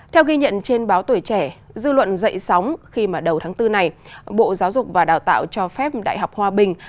theo ghi nhận trên báo tuổi trẻ dư luận dậy sóng khi đầu tháng bốn này bộ giáo dục và đào tạo cho phép đại học hòa bình